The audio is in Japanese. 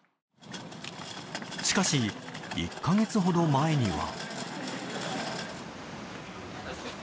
しかし、１か月ほど前には。